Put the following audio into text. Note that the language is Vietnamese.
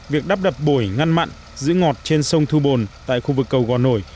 việc đắp đập bổi ngăn mặn giữ ngọt trên sông thu bồn tại khu vực cầu gò nổi